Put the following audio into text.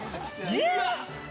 いや。